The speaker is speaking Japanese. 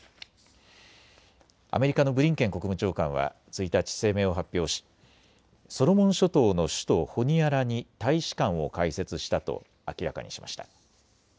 アメリカのブリンケン国務長官は１日、声明を発表しソロモン諸島の首都ホニアラに大使館を開設したと明らかにしました。